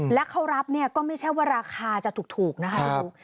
แล้วเขารับนี่ก็ไม่ใช่ว่าราคาจะถูกนะครับ